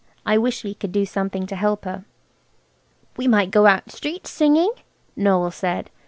I wish we could do something to help her." "We might go out street singing," Noël said.